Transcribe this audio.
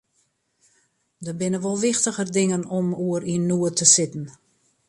Der binne wol wichtiger dingen om oer yn noed te sitten.